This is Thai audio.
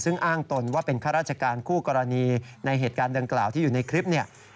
ซึ่งอ้างตนว่าเป็นข้าราชการคู่กรณีในเหตุการณ์ดังกล่าวที่อยู่ในคลิปเนี่ย